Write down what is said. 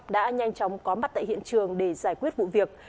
đã nhanh chóng có mặt tại hiện trường để giải quyết vụ việc